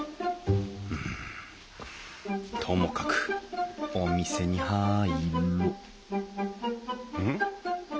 うんともかくお店に入ろうん？